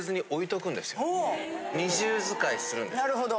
なるほど。